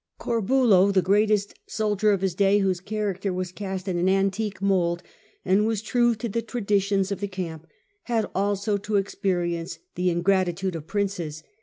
Corbulo, the greatest soldier of his day, whose cha racter was cast in an antique mould, and was true to the traditions of the camp, had also to ex and of perience the ingratitude of princes.